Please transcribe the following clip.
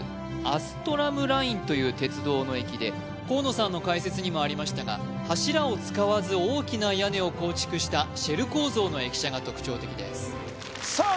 アストラムラインという鉄道の駅で河野さんの解説にもありましたが柱を使わず大きな屋根を構築したシェル構造の駅舎が特徴的ですさあ